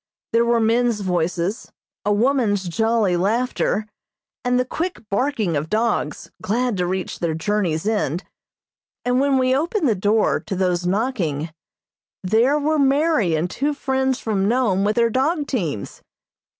There were men's voices, a woman's jolly laughter, and the quick barking of dogs, glad to reach their journey's end, and when we opened the door to those knocking, there were Mary and two friends from Nome with their dog teams.